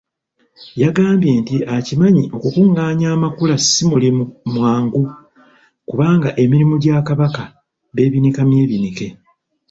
Yagambye nti akimanyi okukunganya Amakula simulimu mwangu kubanga emirimu gya Kabaka beebinika myebinike.